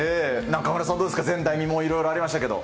中丸さん、どうですか、前代未聞、いろいろありましたけど。